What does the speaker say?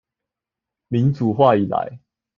民主化以來